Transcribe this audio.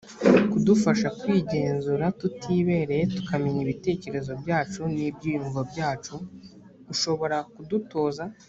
kudufasha kwigenzura tutibereye tukamenya ibitekerezo byacu n ibyiyumvo byacu ushobora kudutoza